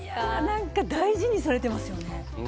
何か大事にされてますよね。